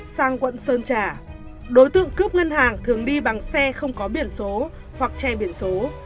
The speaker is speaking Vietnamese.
sang quận sơn trà đối tượng cướp ngân hàng thường đi bằng xe không có biển số hoặc che biển số